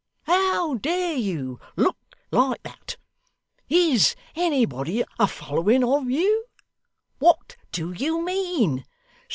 How dare you look like that? Is anybody a following of you? What do you mean?